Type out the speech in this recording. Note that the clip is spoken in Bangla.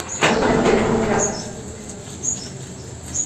কিছুক্ষণের মধ্যে ম্যুরালের একটু দূরে রেলগেটের দক্ষিণ দিকে দুটি মিছিল মুখোমুখি হয়।